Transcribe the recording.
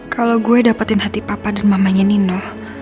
kalau gue dapetin hati papa dan mamanya nino